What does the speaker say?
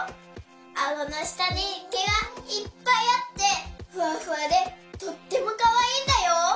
あごのしたにけがいっぱいあってふわふわでとってもかわいいんだよ。